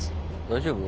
大丈夫？